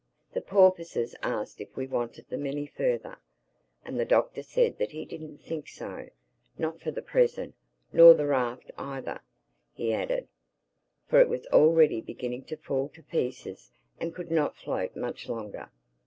The porpoises asked if we wanted them any further. And the Doctor said that he didn't think so, not for the present—nor the raft either, he added; for it was already beginning to fall to pieces and could not float much longer.